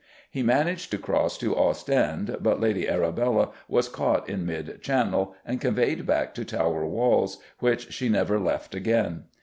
He managed to cross to Ostend, but Lady Arabella was caught in mid channel and conveyed back to Tower walls, which she never left again.